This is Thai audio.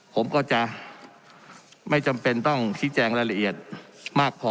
ผมก็จะไม่จำเป็นต้องชี้แจงรายละเอียดมากพอ